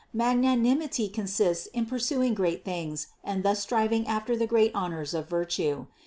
Magnanimity consists in pursuing great things and thus striving after the great honors of virtue.